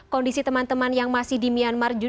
kondisi teman teman yang masih di myanmar dan juga di indonesia